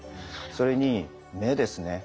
それに目ですね。